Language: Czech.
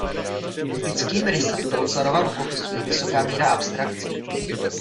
Typickým rysem Polcarova rukopisu je vysoká míra abstrakce.